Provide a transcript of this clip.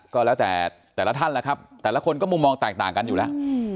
ก็แล้วแต่แต่ละท่านแล้วครับแต่ละคนก็มุมมองแตกต่างกันอยู่แล้ว